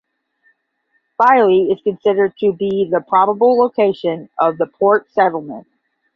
Filey is considered to be the probable location of the port settlement.